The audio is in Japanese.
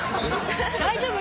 大丈夫？